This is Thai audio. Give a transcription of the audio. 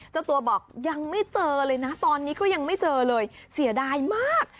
เจ้าตัวบอกยังไม่เจอเลยนะตอนนี้ก็ยังไม่เจอเลยเสียดายมาก